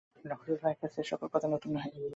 নক্ষত্ররায়ের কাছে এ-সকল কথা নূতন নহে।